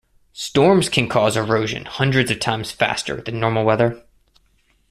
Storms can cause erosion hundreds of times faster than normal weather.